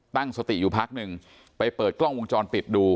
ตั้งสติอยู่พักหนึ่งไปเปิดกล้องวงจรปิดดู